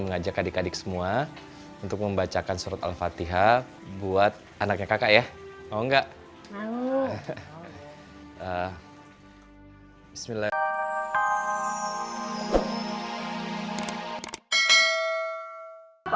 mengajak adik adik semua untuk membacakan surat al fatihah buat anaknya kakak ya oh enggak bismillah